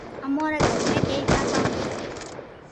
امو ري گھر ۾ ڪئي ٺا ڪاو ھي